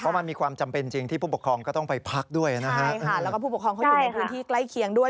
เพราะมันมีความจำเป็นจริงที่ผู้ปกครองก็ต้องไปพักด้วยนะฮะใช่ค่ะแล้วก็ผู้ปกครองเขาอยู่ในพื้นที่ใกล้เคียงด้วย